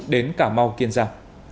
đến cà mau kiên gia